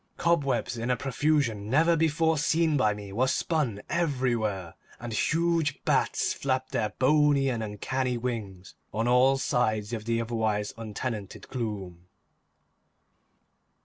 Cobwebs in a profusion never before seen by me were spun everywhere, and huge bats flapped their bony and uncanny wings on all sides of the otherwise untenanted gloom.